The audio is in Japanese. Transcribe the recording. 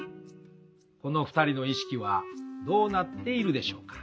この２人の意識はどうなっているでしょうか？